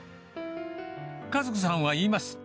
和子さんは言います。